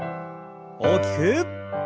大きく。